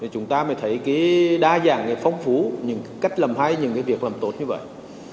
chúng ta mới thấy cái đa dạng phong phú những cách làm hay những việc làm tốt như vậy